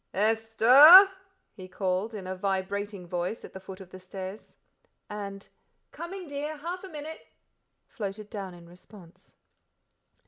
"Esther!" he called, in a vibrating voice at the foot of the stairs. And "Coming, dear half a minute," floated down in response.